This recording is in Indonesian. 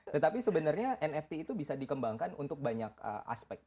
tetapi sebenarnya nft itu bisa dikembangkan untuk banyak aspek